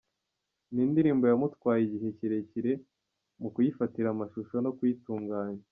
Ni indirimbo yamutwaye igihe kirekire mu kuyifatira amashusho no kuyitunganya.